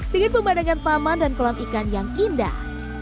dengan pemandangan taman dan kolam ikan yang indah